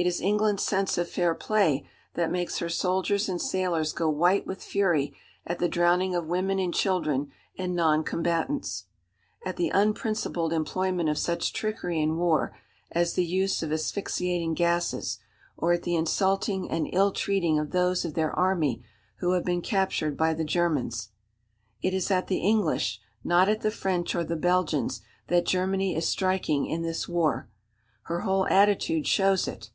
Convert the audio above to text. It is England's sense of fair play that makes her soldiers and sailors go white with fury at the drowning of women and children and noncombatants; at the unprincipled employment of such trickery in war as the use of asphyxiating gases, or at the insulting and ill treating of those of their army who have been captured by the Germans. It is at the English, not at the French or the Belgians, that Germany is striking in this war. Her whole attitude shows it.